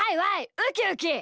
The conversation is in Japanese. ウキウキ！